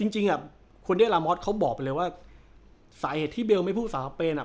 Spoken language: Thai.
จริงคนเดียร์ลามอทเขาบอกเลยว่าสาเหตุที่เบลไม่พูดภาษาสเปน